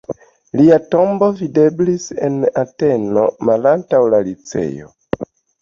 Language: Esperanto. Lia tombejo videblis en Ateno, malantaŭ la Liceo.